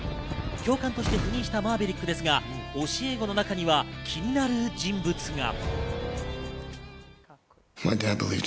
教官として赴任したマーヴェリックですが、教え子の中には気になる人物が。